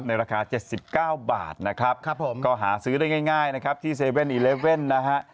ราคา๗๙บาทนะครับผมก็หาซื้อได้ง่ายนะครับที่๗๑๑นะฮะ